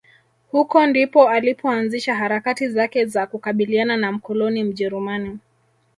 huko ndipo alipo anzisha harakati zake za kukabiliana na mkoloni Mjerumani